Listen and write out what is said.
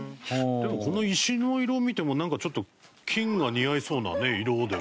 でもこの石の色見てもなんかちょっと金が似合いそうな色では。